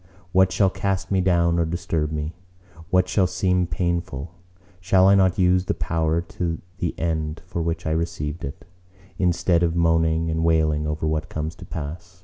What shall cast me down or disturb me? What shall seem painful? Shall I not use the power to the end for which I received it, instead of moaning and wailing over what comes to pass?